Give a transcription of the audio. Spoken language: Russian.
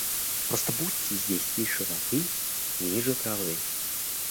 Просто будьте здесь тише воды, ниже травы.